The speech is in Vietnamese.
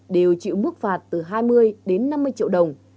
đều chịu mức phạt từ hai mươi đến năm mươi triệu đồng